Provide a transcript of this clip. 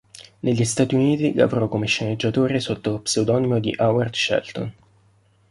Negli Stati Uniti, lavorò come sceneggiatore sotto lo pseudonimo di Howard Shelton.